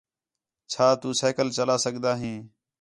چَھا تو سائیکل چلا سڳدا ہیں